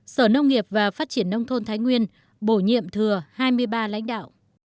sở nông nghiệp và phát triển nông thôn thái nguyên bổ nhiệm thừa hai mươi ba lãnh đạo